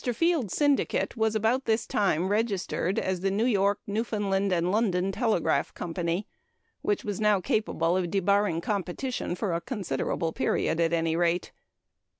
Field's syndicate was about this time registered as the New York, Newfoundland, and London Telegraph Company, which was now capable of debarring competition for a considerable period, at any rate.